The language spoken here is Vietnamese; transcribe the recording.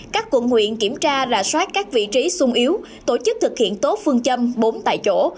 các quận huyện kiểm tra rà soát các vị trí sung yếu tổ chức thực hiện tốt phương châm bốn tại chỗ